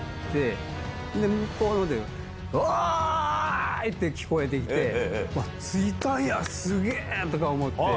で向こうの方でおい！って聞こえてきて着いたんやスゲェ！とか思って。